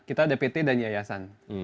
kita ada pt dan yayasan